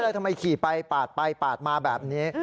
ทำไมขี่ไปปาดไปปาดมาแบบนี้